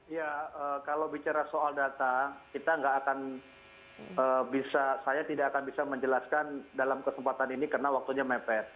ya kalau bicara soal data kita nggak akan bisa saya tidak akan bisa menjelaskan dalam kesempatan ini karena waktunya mepet